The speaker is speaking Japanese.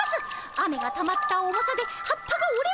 雨がたまった重さで葉っぱがおれ